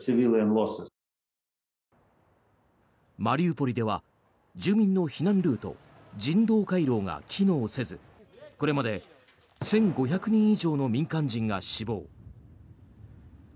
マリウポリでは住民の避難ルート人道回廊が機能せず、これまで１５００人以上の民間人が死亡。